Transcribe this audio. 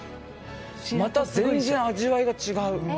また全然、味わいが違う。